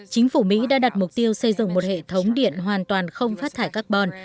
chính phủ mỹ đã đặt mục tiêu xây dựng một hệ thống điện hoàn toàn không phát thải carbon